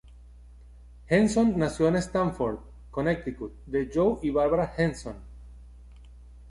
Henson nació en Stamford, Connecticut, de Joe y Bárbara Henson.